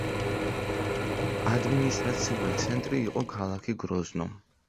ადმინისტრაციული ცენტრი იყო ქალაქი გროზნო.